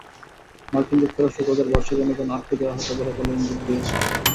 মার্কিন যুক্তরাষ্ট্রও তাদের বার্ষিক অনুদান আটকে দেওয়া হতে পারে বলে ইঙ্গিত দিয়েছে।